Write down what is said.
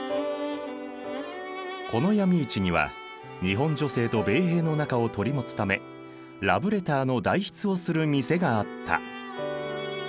この闇市には日本女性と米兵の仲を取り持つためラブレターの代筆をする店があった。